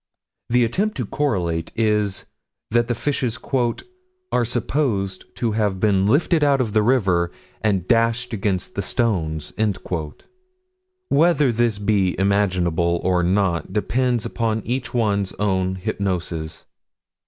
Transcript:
The attempt to correlate is that the fishes "are supposed to have been lifted out of the river and dashed against the stones." Whether this be imaginable or not depends upon each one's own hypnoses.